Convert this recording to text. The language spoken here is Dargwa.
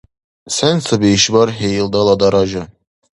Сен саби ишбархӀи илдала даража?